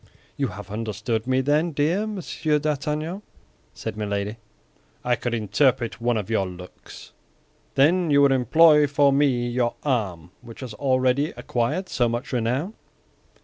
"You have understood me, then, dear Monsieur d'Artagnan," said Milady. "I could interpret one of your looks." "Then you would employ for me your arm which has already acquired so much renown?"